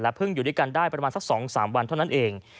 เพิ่งอยู่ด้วยกันได้ประมาณสัก๒๓วันเท่านั้นเอง